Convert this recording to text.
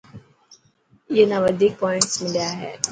اي نا وڌيڪ پووانٽس مليا هي.